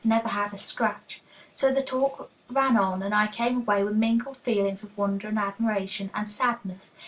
Never had a scratch." So the talk ran on, and I came away with mingled feelings of wonder and admiration and sadness.